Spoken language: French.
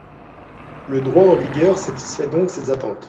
Le droit en vigueur satisfait donc ces attentes.